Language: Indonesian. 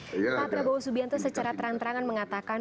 pak prabowo subianto secara terang terangan mengatakan